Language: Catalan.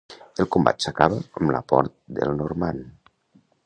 El combat s'acaba amb la mort del normand.